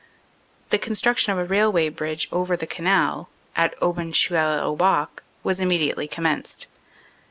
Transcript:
The construction of a railway bridge over the Canal at Aubencheul au Bac was immediately commenced.